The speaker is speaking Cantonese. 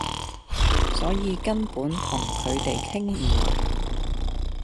所以根本同佢地傾唔埋